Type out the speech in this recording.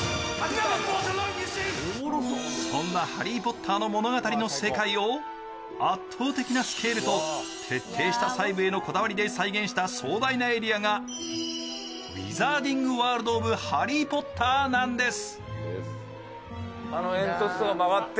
そんな「ハリー・ポッター」の物語の世界を圧倒的なスケールと徹底した細部へのこだわりで威厳した壮大なエリアがウィザーディング・ワールド・オブ・ハリー・ポッターなんです。